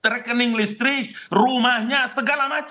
rekening listrik rumahnya segala macam